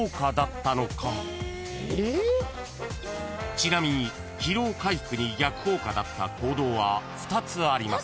［ちなみに疲労回復に逆効果だった行動は２つあります］